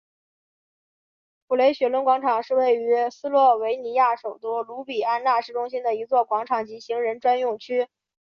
普雷雪伦广场是位于斯洛维尼亚首都卢比安纳市中心的一座广场及行人专用区。